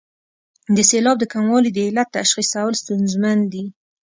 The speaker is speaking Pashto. د سېلاب د کموالي د علت تشخیصول ستونزمن دي.